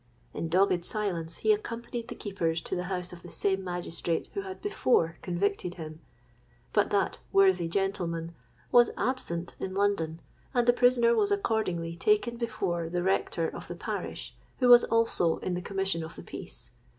In dogged silence he accompanied the keepers to the house of the same magistrate who had before convicted him; but that 'worthy gentleman' was absent in London, and the prisoner was accordingly taken before the rector of the parish, who was also in the commission of the peace.